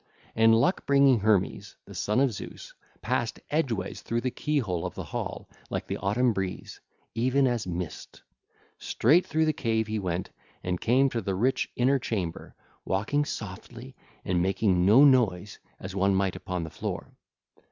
And luck bringing Hermes, the son of Zeus, passed edgeways through the key hole of the hall like the autumn breeze, even as mist: straight through the cave he went and came to the rich inner chamber, walking softly, and making no noise as one might upon the floor.